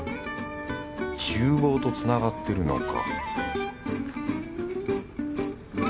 ちゅう房とつながってるのか